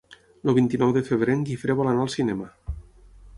El vint-i-nou de febrer en Guifré vol anar al cinema.